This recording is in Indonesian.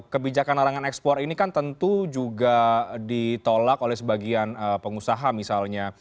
kebijakan larangan ekspor ini kan tentu juga ditolak oleh sebagian pengusaha misalnya